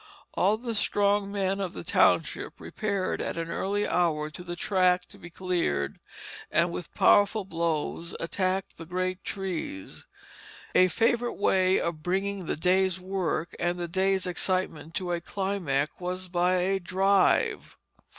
All the strong men of the township repaired at an early hour to the tract to be cleared, and with powerful blows attacked the great trees. A favorite way of bringing the day's work and the day's excitement to a climax was by a "drive."